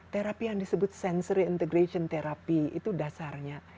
terapi yang disebut sensory integration therapy itu dasarnya